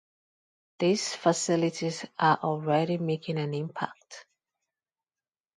These facilities are already making an impact.